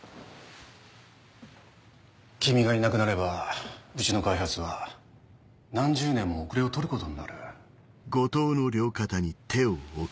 君がいなくなればうちの開発は何十年もおくれを取ることになる。